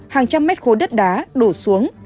hàng trăm mét khối đất đá đổ xuống